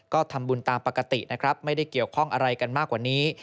ก็ทำบุญตามปกตินะครับไม่ได้เกี่ยวข้องอะไรกันมากกว่านี้